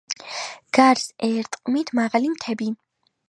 გარს ერტყმის მაღალი მთები.